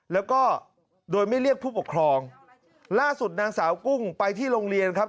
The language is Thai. แล้วก็โดยไม่เรียกผู้ปกครองล่าสุดนางสาวกุ้งไปที่โรงเรียนครับ